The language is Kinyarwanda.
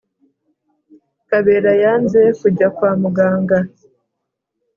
kabera yanze kujya kwa muganga